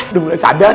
udah mulai sadar